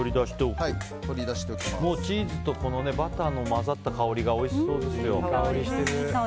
もうチーズとバターの混ざった香りがおいしそうですね。